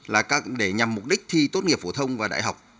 là để nhằm mục đích thi tốt nghiệp phổ thông và đại học